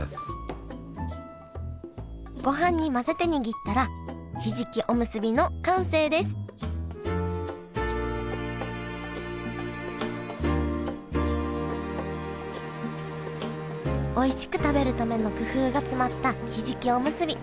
ごはんに混ぜて握ったらひじきおむすびの完成ですおいしく食べるための工夫が詰まったひじきおむすび。